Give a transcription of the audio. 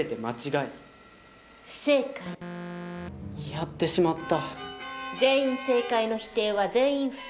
やってしまった。